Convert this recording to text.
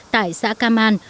tại xã cam an